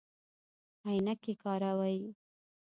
عینکې کاروئ؟